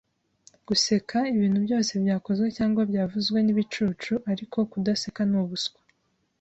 Guseka ibintu byose byakozwe cyangwa byavuzwe ni ibicucu, ariko kudaseka nubuswa.